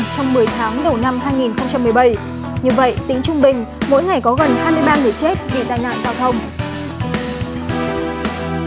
hơn sáu tám trăm một mươi là số người chết vì tai nạn giao thông trong một mươi tháng đầu năm hai nghìn một mươi bảy như vậy tính trung bình mỗi ngày có gần hai mươi ba người chết vì tai nạn giao thông trong một mươi tháng đầu năm hai nghìn một mươi bảy